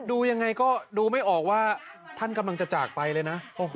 ดูยังไงก็ดูไม่ออกว่าท่านกำลังจะจากไปเลยนะ